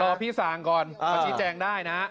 เดี๋ยวรอพี่สางก่อนมาชี้แจงได้นะ